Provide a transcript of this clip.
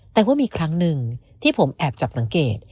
แต่ว่ามีครั้งหนึ่งที่ผมแอบจับสังเกต